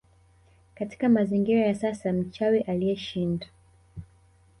Katika mazingira ya sasa mchawi aliyeshind